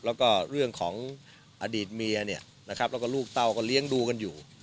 แล้วก็เรื่องของอดีตเมียเนี่ยนะครับแล้วก็ลูกเต้าก็เลี้ยงดูกันอยู่